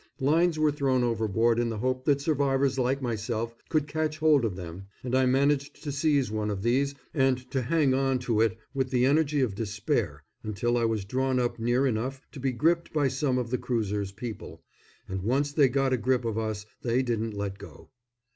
Lines were thrown overboard in the hope that survivors like myself could catch hold of them, and I managed to seize one of these and to hang on to it with the energy of despair until I was drawn up near enough to be gripped by some of the cruiser's people and once they got a grip of us they didn't let go.